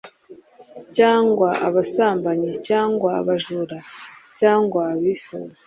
cyangwa abasambanyi... cyangwa abajura, cyangwa abifuza,